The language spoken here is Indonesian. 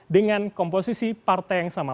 dengan komposisi partai yang sama